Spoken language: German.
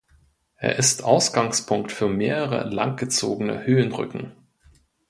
Er ist Ausgangspunkt für mehrere langgezogene Höhenrücken.